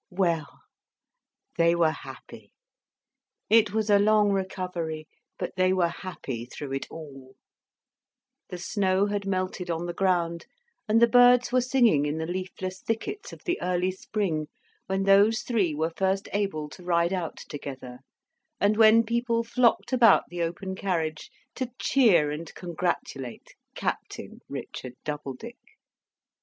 Well! They were happy. It was a long recovery, but they were happy through it all. The snow had melted on the ground, and the birds were singing in the leafless thickets of the early spring, when those three were first able to ride out together, and when people flocked about the open carriage to cheer and congratulate Captain Richard Doubledick.